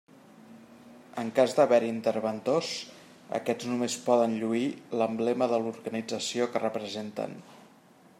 En cas d'haver-hi interventors, aquests només poden lluir l'emblema de l'organització que representen.